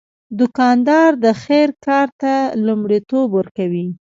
دوکاندار د خیر کار ته لومړیتوب ورکوي.